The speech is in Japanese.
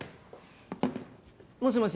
もしもし。